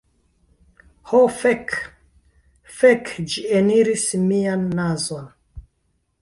Ho fek. Fek, ĝi eniris mian nazon.